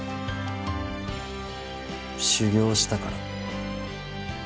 修業したから。